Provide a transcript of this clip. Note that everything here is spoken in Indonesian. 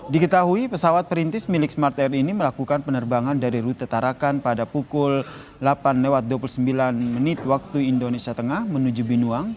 diketahui pesawat perintis milik smart air ini melakukan penerbangan dari rute tarakan pada pukul delapan lewat dua puluh sembilan menit waktu indonesia tengah menuju binuang